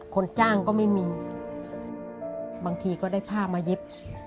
คนจ้างก็ไม่มีบางทีก็ได้ผ้ามาเย็บ